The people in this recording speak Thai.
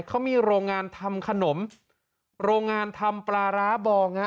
เขามีโรงงานทำขนมโรงงานทำปลาร้าบองฮะ